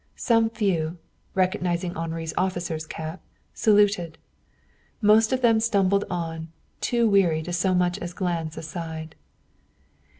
Some few, recognizing Henri's officer's cap, saluted. Most of them stumbled on, too weary to so much as glance aside.